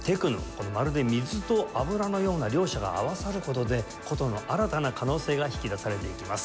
このまるで水と油のような両者が合わさる事で箏の新たな可能性が引き出されていきます。